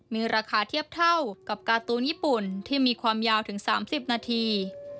มีราคาเทียบเท่ากับการ์ตูนญี่ปุ่นที่มีความยาวถึง๓๐นาที